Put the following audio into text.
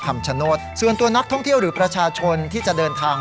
คำชโนธส่วนตัวนักท่องเที่ยวหรือประชาชนที่จะเดินทาง